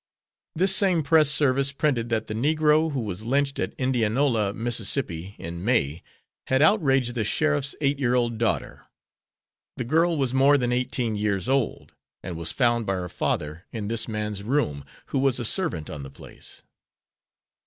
This same press service printed that the Negro who was lynched at Indianola, Miss., in May, had outraged the sheriff's eight year old daughter. The girl was more than eighteen years old, and was found by her father in this man's room, who was a servant on the place.